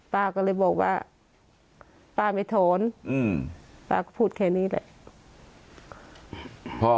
ป้าก็เลยบอกว่าป้าไม่ถอนป้าก็พูดแค่นี้แหละ